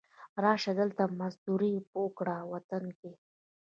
را شه، دلته مزدوري وکړه وطن کې